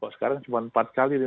sekarang cuma empat kali